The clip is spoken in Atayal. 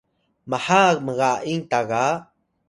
maha mga’ing ta ga